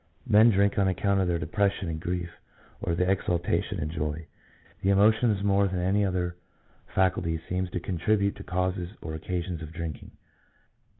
Men drink on account of their depression and grief, or their exaltation and joy. The emotions more than any other faculties seem to contribute to causes or occasions of drinking.